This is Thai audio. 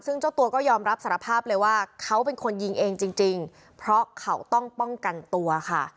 ซึ่งเจ้าตัวก็ยอมรับสารภาพเลยว่าเขาเป็นคนยิงเองจริงเพราะเขาต้องป้องกันตัวค่ะ